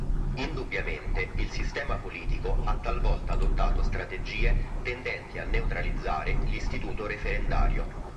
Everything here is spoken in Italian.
Indubbiamente il sistema politico ha talvolta adottato strategie tendenti a neutralizzare l'istituto referendario.